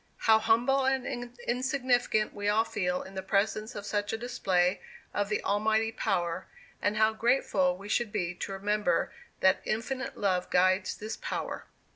How humble and insignificant we all feel in the presence of such a display of the Almighty power; and how grateful we should be to remember that infinite love guides this power."